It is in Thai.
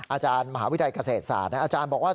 อาจารย์มหาวิทยาลัยเกษตรศาสตร์อาจารย์บอกว่า